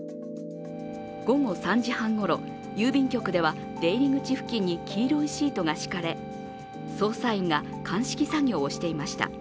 午後３時半ごろ、郵便局では出入り口付近に黄色いシートが敷かれ捜査員が鑑識作業をしていました。